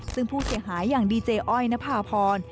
ซึ่งผู้เสียหายอย่างดีเจอ้อยนภาพร